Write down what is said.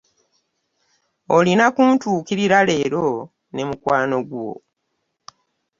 Olina kuntukirira leero ne mukwano gwo.